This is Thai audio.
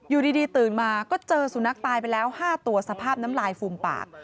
อยู่ดีตื่นมาก็เจอสุนัขตายไปแล้ว๕ตัวสภาพน้ำลายฟูมปาก